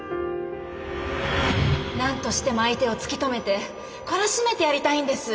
何としても相手を突き止めて懲らしめてやりたいんです。